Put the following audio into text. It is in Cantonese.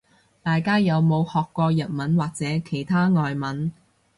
大家有冇學過日文或其他外文